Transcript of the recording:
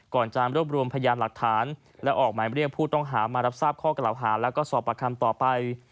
ก่อนจะรวบรวมพยานหลักฐานและออกหมายเรียกผู้ต้องหามารับทราบข้อกล่าวหาแล้วก็สอบประคำต่อไป